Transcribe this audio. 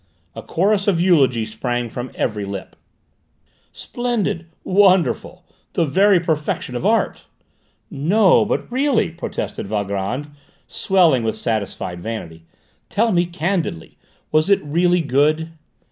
A chorus of eulogy sprang from every lip. "Splendid!" "Wonderful!" "The very perfection of art!" "No, but really?" protested Valgrand, swelling with satisfied vanity. "Tell me candidly: was it really good?"